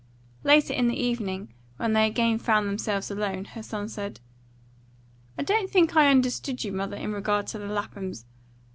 Later in the evening, when they again found themselves alone, her son said, "I don't think I understood you, mother, in regard to the Laphams.